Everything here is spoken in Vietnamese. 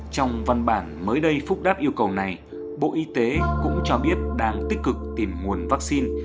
trong văn bản mới đây phúc đáp yêu cầu này bộ y tế cũng cho biết đáng tích cực tìm nguồn vắc xin